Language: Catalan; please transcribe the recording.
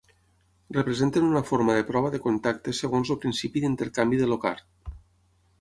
Representen una forma de prova de contacte segons el principi d'intercanvi de Locard.